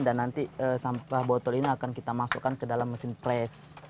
dan nanti sampah botol ini akan kita masukkan ke dalam mesin press